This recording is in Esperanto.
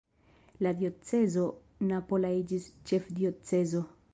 La diocezo napola iĝis ĉefdiocezo.